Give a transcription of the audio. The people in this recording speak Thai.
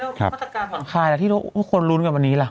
มาตรการผ่อนคลายล่ะที่ทุกคนลุ้นกันวันนี้ล่ะ